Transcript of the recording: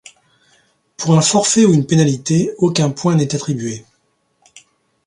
Pour un forfait ou une pénalité, aucun point n'est attribué.